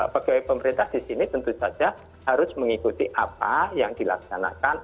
pegawai pemerintah di sini tentu saja harus mengikuti apa yang dilaksanakan